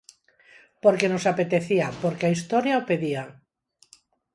Porque nos apetecía, porque a historia o pedía.